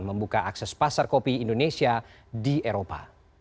membuka akses pasar kopi indonesia di eropa